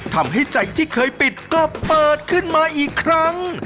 ทำให้ใจที่เคยปิดก็เปิดขึ้นมาอีกครั้ง